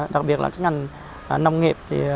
đặc biệt là các ngành nông nghiệp